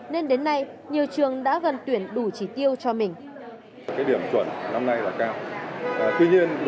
nên đến nay nhiều trường đã gần tuyển đủ trí tiêu cho mình